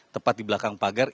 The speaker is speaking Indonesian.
tepat di belakang pagar